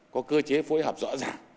có cơ chế phối hợp rõ ràng